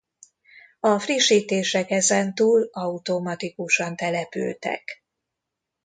A frissítések ezentúl automatikusan települtek.